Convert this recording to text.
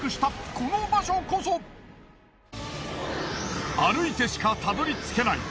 この場所こそ歩いてしかたどり着けない